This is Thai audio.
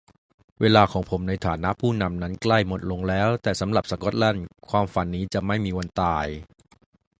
"เวลาของผมในฐานะผู้นำนั้นใกล้หมดลงแล้ว แต่สำหรับสกอตแลนด์ ความฝันนี้จะไม่มีวันตาย"